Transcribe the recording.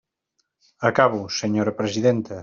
Acabo, senyora presidenta.